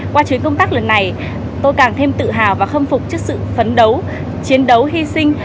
qua chuyến công tác lần này tôi càng thêm tự hào và khâm phục trước sự phấn đấu chiến đấu hy sinh